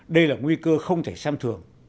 đây là nguy cơ không thể xem thường